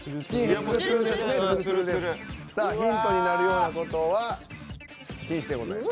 さあヒントになるような事は禁止でございます。